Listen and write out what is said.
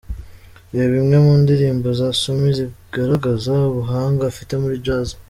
Reba Imwe mu ndirimbo za Somi zigaragaza ubuhanga afite muri Jazz.